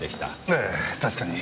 ええ確かに。